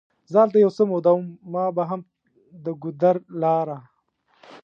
زه هلته یو څه موده وم، ما به هم د ګودر لاره.